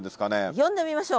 呼んでみましょう。